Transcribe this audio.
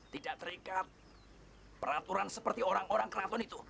tidak terikat peraturan seperti orang orang keraton itu